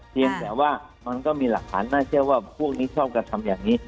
เพียงแต่ว่ามันก็มีหลักฐานน่าเชื่อว่าพวกนี้ชอบกระทำอย่างนี้